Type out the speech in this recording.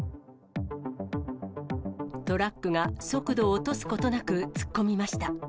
トラックが速度を落とすことなく突っ込みました。